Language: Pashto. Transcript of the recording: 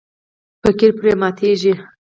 فقیر پرې ماتیږي.